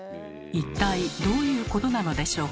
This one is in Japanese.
一体どういうことなのでしょうか。